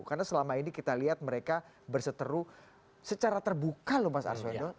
karena selama ini kita lihat mereka berseteru secara terbuka loh mas arswado